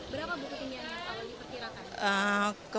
berapa buku ketinggiannya kalau diperkirakan